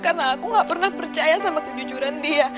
karena aku gak pernah percaya sama kejujuran dia